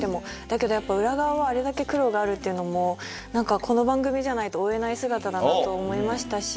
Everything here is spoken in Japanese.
だけどやっぱり裏側はあれだけ苦労があるっていうのも何かこの番組じゃないと追えない姿だなと思いましたし。